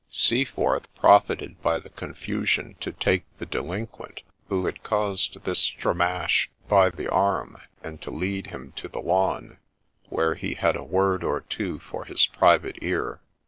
16 THE SPECTRE Seaforth profited by the confusion to take the delinquent who had caused this ' stramash ' by the arm, and to lead him to the lawn, where he had a word or two for his private ear.